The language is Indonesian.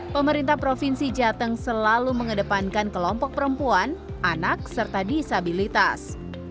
pemerintah provinsi jateng selalu mengedepankan kelompok perempuan anak serta disabilitas